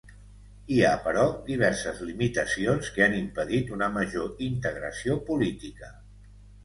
Hi ha, però, diverses limitacions que han impedit una major integració política.